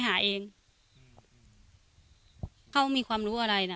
มันน่าจะปกติบ้านเรามีก้านมะยมไหม